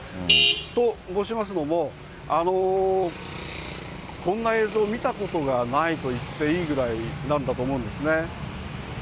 と申しますのも、こんな映像を見たことがないと言っていいぐらいなんだと思うんですね。